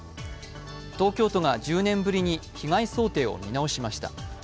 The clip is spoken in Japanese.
東京都が１０年ぶりに被害想定を見直しました。